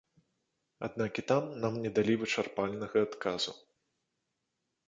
Аднак і там нам не далі вычарпальнага адказу.